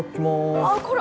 あっこら！